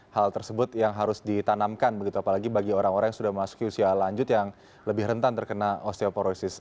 hal tersebut yang harus ditanamkan begitu apalagi bagi orang orang yang sudah memasuki usia lanjut yang lebih rentan terkena osteoporosis